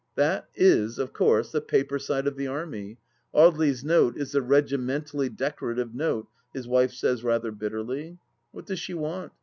That is, of course, the paper side of the Army ; Audely's note is the regimentally decorative note, his wife says rather bitterly. What does she want